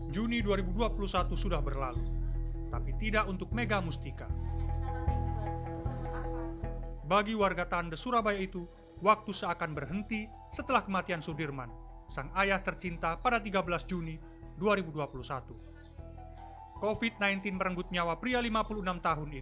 jangan lupa like share dan subscribe channel ini